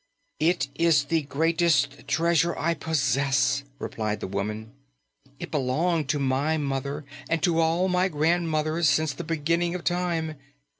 "It is the greatest treasure I possess," replied the woman. "It belonged to my mother and to all my grandmothers since the beginning of time.